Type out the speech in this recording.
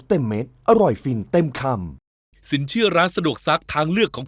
แต่ฉันเป็นลูกสาวกับนั้นถึง